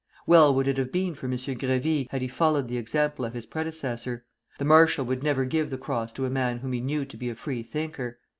Well would it have been for M. Grévy had he followed the example of his predecessor. The marshal would never give the cross to a man whom he knew to be a free thinker.